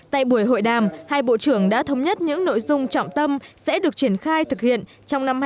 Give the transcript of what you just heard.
tại buổi hội đàm hai bộ trưởng đã thống nhất những nội dung trọng tâm sẽ được triển khai thực hiện trong năm hai nghìn hai mươi